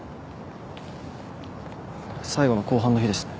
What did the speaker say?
最後の公判の日ですね。